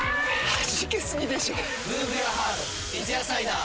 はじけすぎでしょ『三ツ矢サイダー』